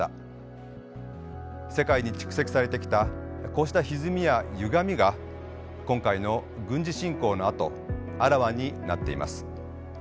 こうしたひずみやゆがみが今回の軍事侵攻のあとあらわになっています。